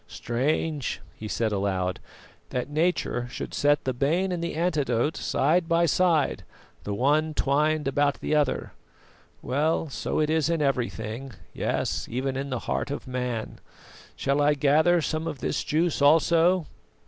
"Strange," he said aloud, "that Nature should set the bane and the antidote side by side, the one twined about the other. Well, so it is in everything; yes, even in the heart of man. Shall I gather some of this juice also?